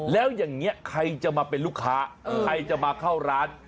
แล้วอย่างนี้ใครจะมาเป็นลูกค้าใครจะมาเข้าร้าน